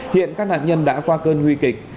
hiện các nạn nhân đã qua cơn nguy kịch